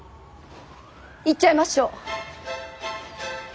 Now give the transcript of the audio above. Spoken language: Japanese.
言っちゃいましょう。